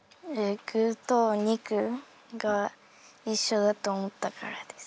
具とお肉が一緒だと思ったからです。